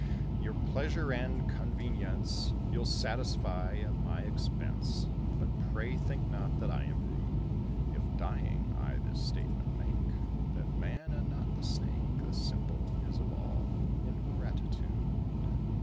Your pleasure and convenience You'll satisfy at my expense; But, pray, think not that I am rude, If, dying, I this statement make That Man, and not the Snake, The symbol is of all ingratitude."